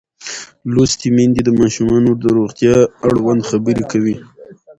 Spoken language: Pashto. لوستې میندې د ماشومانو د روغتیا اړوند خبرې کوي.